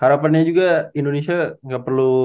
harapannya juga indonesia nggak perlu